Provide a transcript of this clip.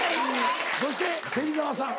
そして芹澤さん。